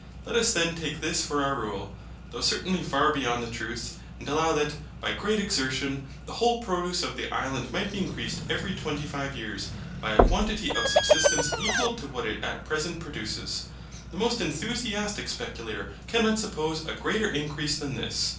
Let us then take this for our rule, though certainly far beyond the truth, and allow that, by great exertion, the whole produce of the Island might be increased every twenty five years, by a quantity of subsistence equal to what it at present produces. The most enthusiastic speculator cannot suppose a greater increase than this.